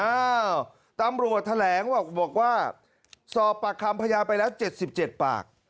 อ้าวตำรวจแถลงบอกว่าสอบปากคำพยานไปแล้ว๗๗ปาก